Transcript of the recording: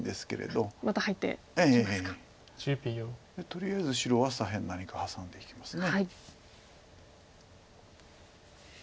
とりあえず白は左辺何かハサんでいきます。